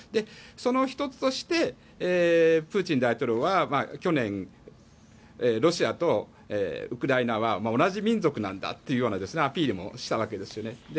その１つとしてプーチン大統領は去年ロシアとウクライナは同じ民族だというようなアピールもしたわけです。